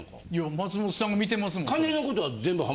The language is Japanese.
松本さんが見てますもん。